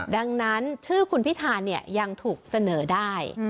ดังนั้นชื่อคุณพิธายังถูกเสนอได้